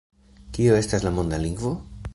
Kio estas la monda lingvo?